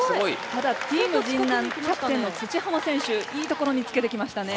ただＴｅａｍ神南キャプテンの土濱選手いいところにつけてきましたね。